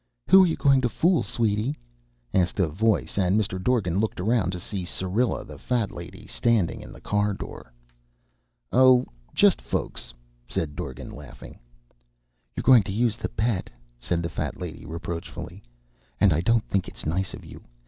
"Who you goin' to fool, sweety?" asked a voice, and Mr. Dorgan looked around to see Syrilla, the Fat Lady, standing in the car door. "Oh, just folks!" said Dorgan, laughing. "You're goin' to use the Pet," said the Fat Lady reproachfully, "and I don't think it is nice of you.